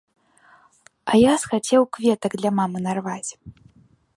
А я схацеў кветак для мамы нарваць.